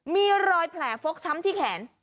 มีรอยแผลฟกช้ำที่แขน